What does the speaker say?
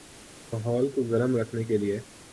ماحول کو گرم رکھنے کے لئے